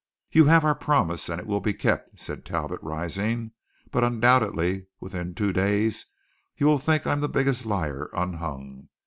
"You have our promise, and it will be kept," said Talbot rising. "But undoubtedly within two days you will think I am the biggest liar unhung.